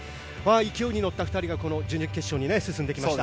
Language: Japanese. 勢いに乗った２人がこの準々決勝に進んできました。